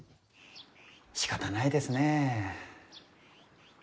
しかたないですねえ。